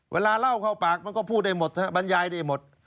เวลาเล่าเข้าปากมันก็พูดได้หมดบรรยายได้หมด